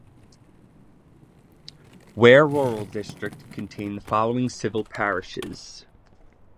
Ware Rural District contained the following civil parishes.